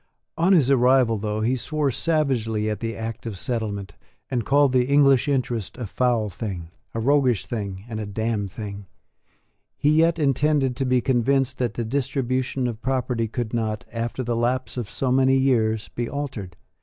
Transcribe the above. On his arrival, though he swore savagely at the Act of Settlement, and called the English interest a foul thing, a roguish thing, and a damned thing, he yet intended to be convinced that the distribution of property could not, after the lapse of so many years, be altered.